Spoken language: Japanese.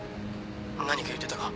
何か言ってたか？